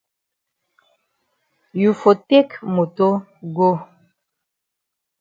You for take moto go.